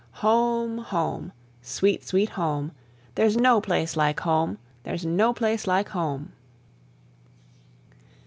Home! Home! sweet, sweet Home! There's no place like Home! there's no place like Home!